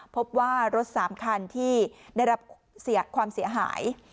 พบว่ารถ๓คันที่ได้รับความเสียหาย